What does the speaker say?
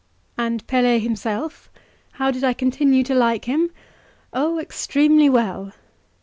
AND Pelet himself? How did I continue to like him? Oh, extremely well!